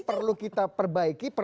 perlu kita perbaiki